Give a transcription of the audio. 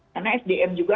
karena sdm juga